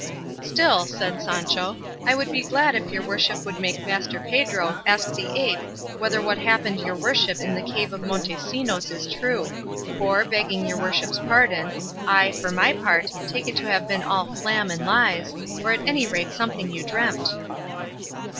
"Still," said Sancho, "I would be glad if your worship would make Master Pedro ask his ape whether what happened your worship in the cave of Montesinos is true; for, begging your worship's pardon, I, for my part, take it to have been all flam and lies, or at any rate something you dreamt."